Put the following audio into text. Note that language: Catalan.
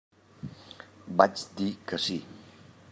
Vaig dir que sí.